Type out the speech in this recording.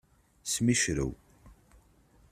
Smicrew.